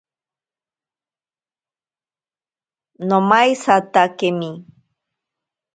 Nomaisatakemi.